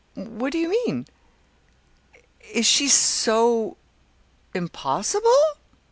"What do you mean?" "Is she so impossible?"